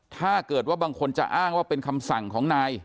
ถ้าเกิดว่าบางคนจะอ้างว่าเป็นคำสั่งของนาย